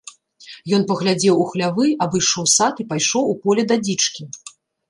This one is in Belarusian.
Ён паглядзеў у хлявы, абышоў сад і пайшоў у поле да дзічкі.